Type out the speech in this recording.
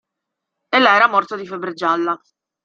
E là era morto di febbre gialla.